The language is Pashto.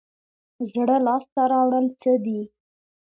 زړه لاس ته راوړل څه دي؟